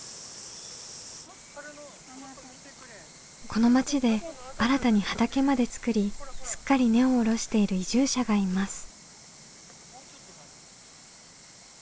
この町で新たに畑まで作りすっかり根を下ろしている移住者がいます。